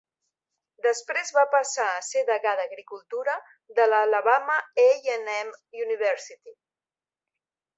Després va passar a ser degà d'agricultura de l'Alabama A and M University.